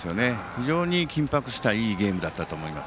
非常に緊迫したいいゲームだったと思います。